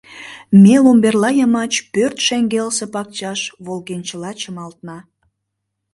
Ме ломберла йымач пӧрт шеҥгелсе пакчаш волгенчыла чымалтна.